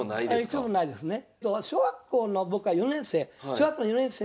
一度もないですね。